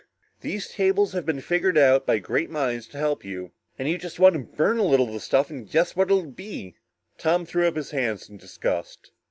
These tables have been figured out by great minds to help you, and you just want to burn a little of the stuff and guess at what it'll be!" Tom threw up his hands in disgust.